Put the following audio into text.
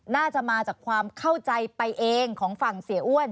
น่าจะมาจากความเข้าใจไปเองของฝั่งเสียอ้วน